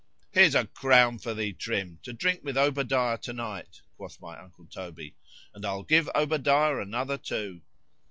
——Here's a crown for thee, Trim, to drink with Obadiah to night, quoth my uncle Toby, and I'll give Obadiah another too.